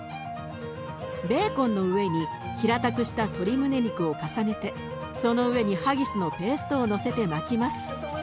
ベーコンの上に平たくした鶏むね肉を重ねてその上にハギスのペーストをのせて巻きます。